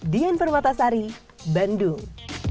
di informatasari bandung